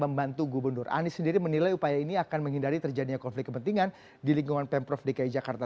membantu gubernur anies sendiri menilai upaya ini akan menghindari terjadinya konflik kepentingan di lingkungan pemprov dki jakarta